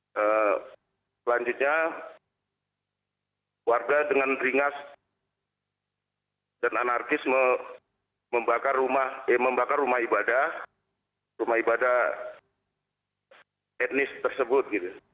selanjutnya warga dengan ringas dan anarkis membakar rumah ibadah etnis tersebut